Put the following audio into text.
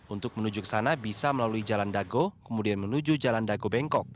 untuk menuju ke sana bisa melalui jalan dago kemudian menuju jalan dago bengkok